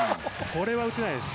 これは打てないです。